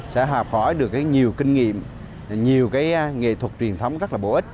sẽ học hỏi được nhiều kinh nghiệm nhiều cái nghệ thuật truyền thống rất là bổ ích